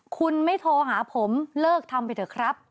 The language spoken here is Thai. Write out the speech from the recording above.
คุณไม่โทรหาผมเลิกทำไปเถอะครับ